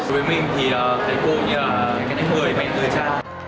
đối với mình thì thầy cô cũng như là những người mẹ người cha